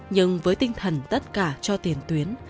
nhưng với tinh thần tất cả cho tiền tuyến